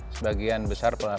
sebagian besar pelajar